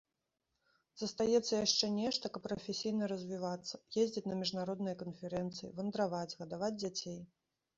Застаецца яшчэ нешта, каб прафесійна развівацца, ездзіць на міжнародныя канферэнцыі, вандраваць, гадаваць дзяцей.